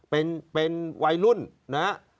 เป็นวัยรุ่น